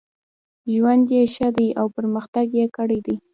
ژوند یې ښه دی او پرمختګ یې کړی دی.